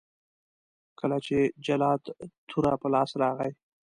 کله چې جلات توره په لاس راغی.